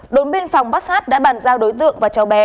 đồn biên phòng bát sát đã bàn giao đối tượng và cháu bé